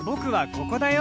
ここだよ